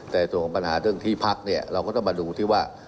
แต่ส่วนของปัญหาเรื่องที่พักเนี่ยเราก็ต้องมาดูที่ว่า